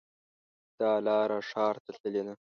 دا لاره ښار ته تللې ده